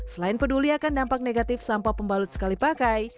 selain peduli akan dampak negatif sampah pembalut sekali pakai